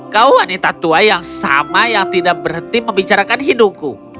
kau wanita tua yang sama yang tidak berhenti membicarakan hidupku